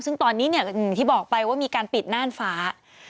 ซึ่งตอนนี้เนี่ยอย่างที่บอกไปว่ามีการปิดน่านฟ้า